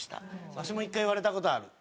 わしも１回言われた事ある。